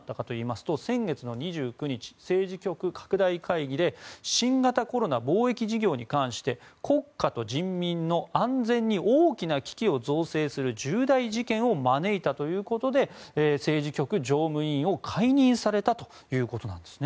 そんな人物がどうなったかというと先月２９日、政治局拡大会議で新型コロナ防疫事業に関して国家と人民の安全に大きな危機を造成する重大事件を招いたということで政治局常務委員を解任されたということなんですね。